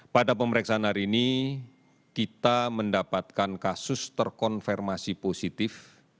pada pemeriksaan hari ini kita mendapatkan kasus terkonfirmasi positif